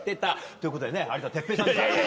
ということでね有田哲平さんでした。